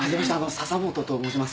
笹本と申します。